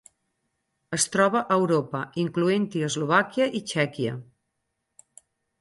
Es troba a Europa, incloent-hi Eslovàquia i Txèquia.